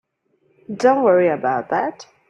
Don't worry about that.